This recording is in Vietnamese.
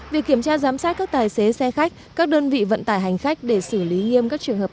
việc kiểm tra giám sát các tài xế xe khách các đơn vị vận tải hành khách để xử lý nghiêm các trường hợp